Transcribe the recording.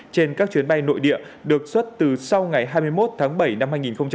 trên các chuyến bay nội địa được xuất từ sau ngày hai mươi một tháng bảy năm hai nghìn hai mươi